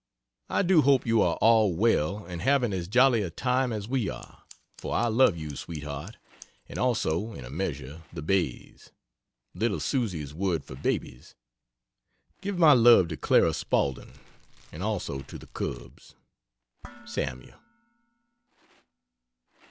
I do hope you are all well and having as jolly a time as we are, for I love you, sweetheart, and also, in a measure, the Bays. [Little Susy's word for "babies."] Give my love to Clara Spaulding and also to the cubs. SAML.